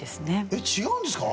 えっ違うんですか？